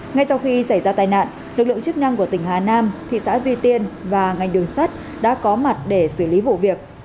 ngay sau khi xảy ra tai nạn lực lượng chức năng của tỉnh hà nam thị xã duy tiên và ngành đường sắt đã có mặt để xử lý vụ việc